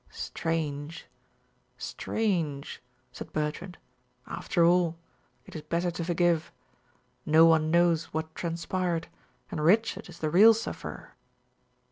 "Strange strange," said Bertrand. "After all, it is better to forgive. No one knows what transpired, and Richard is the real sufferer."